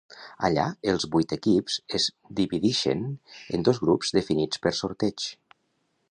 Allà els vuit equips es dividixen en dos grups definits per sorteig.